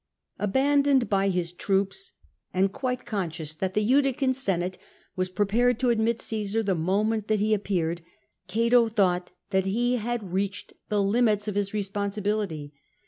Abandoned by his troops, and quite conscious that the Utican senate was prepared to admit Caesar the moment that he appeared, Cato thought that he had reached the limits of his responsibility.